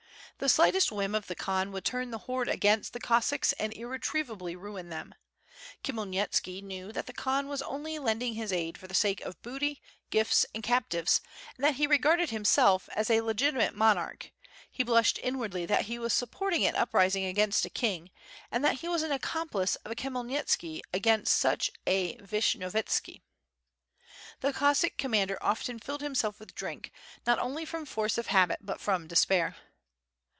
The slightest whim of the Khan would turn the horde against the Cossacks and irretrievably ruin them. Khmyelnitski knew that the Khan was only lending his aid for the sake of booty, gifts, and captives, and that he regarded himself as a legitimate monarch, he blushed inwardly that he was supporting an uprising against a king, and that he was an accomplice of a Khmyelnitski against such a Vishnyovyetski. The Cossack commander often filled himself with drink not only from force of habit but from despair.